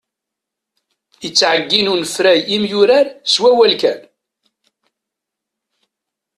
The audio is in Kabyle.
Ittɛeggin unefray imyurar s wawal kan.